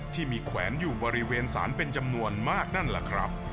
ที่มีแขวนอยู่บริเวณศาลเป็นจำนวนมากนั่นแหละครับ